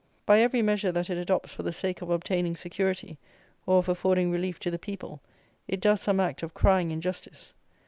By every measure that it adopts for the sake of obtaining security, or of affording relief to the people, it does some act of crying injustice.